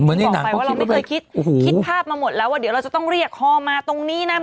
อย่างที่บอกไปว่าเราไม่เคยคิดคิดภาพมาหมดแล้วว่าเดี๋ยวเราจะต้องเรียกคอมาตรงนี้นะ